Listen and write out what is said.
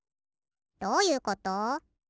どういうこと？